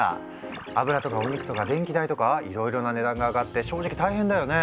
油とかお肉とか電気代とかいろいろな値段が上がって正直大変だよね。